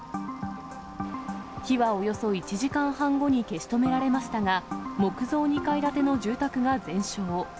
火はおよそ１時間半後に消し止められましたが、木造２階建ての住宅が全焼。